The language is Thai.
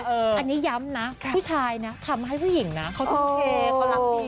เอออันนี้ย้ำน่ะค่ะผู้ชายน่ะขำไว้ผู้หญิงน่ะเขาต้องให้เขารักกิน